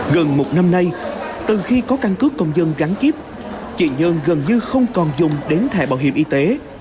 gần một năm nay từ khi có căn cứ công dân gắn chip chị nhơn gần như không còn dùng đến thẻ bảo hiểm y tế